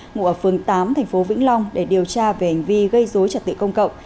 ngụ ở phường tám tp vĩnh long để điều tra về hành vi gây dối trật tự công cộng